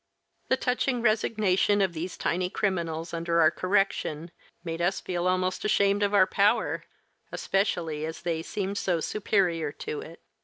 The touching resignation of these tiny criminals under our correction made us feel almost ashamed of our power, especially as they seemed so superior to it.